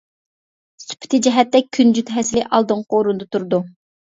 سۈپىتى جەھەتتە كۈنجۈت ھەسىلى ئالدىنقى ئورۇندا تۇرىدۇ.